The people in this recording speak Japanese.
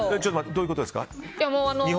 どういうことですか？